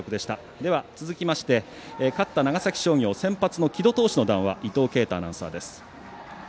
では、続きまして勝った長崎商業の先発の城戸投手の談話伊藤慶太アナウンサーです。